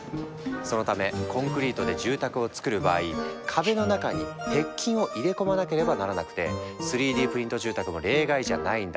そのためコンクリートで住宅をつくる場合壁の中に鉄筋を入れ込まなければならなくて３Ｄプリント住宅も例外じゃないんだ。